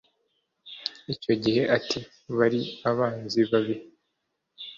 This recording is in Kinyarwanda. Icyo gihe ati Bari abanzi babi